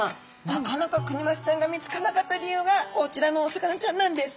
なかなかクニマスちゃんが見つからなかった理由がこちらのお魚ちゃんなんです！